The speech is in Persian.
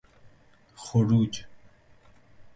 خروج